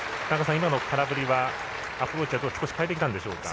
今の空振りはアプローチ少し変えてきたんでしょうか。